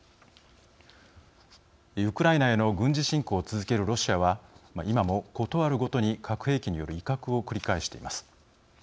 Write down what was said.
ウクライナへの軍事侵攻を続けるロシアは今もことあるごとに核兵器による威嚇を繰り返しています。